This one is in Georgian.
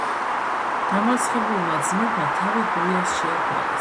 დამარცხებულმა ძმებმა თავი გურიას შეაფარეს.